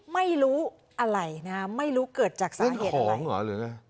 ไม่รู้อะไรไม่รู้เกิดจากสาเหตุหรืออย่างนั้น